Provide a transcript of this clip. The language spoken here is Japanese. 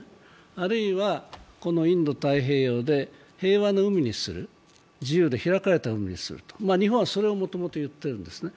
あるいはインド太平洋で平和の海にする自由で開かれた海にする、日本はそれをもともと言ってるんですね。